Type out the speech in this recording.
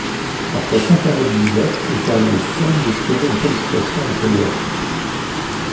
Après cinq années de disette, elle permet au Sun d'espérer une qualification en play-offs.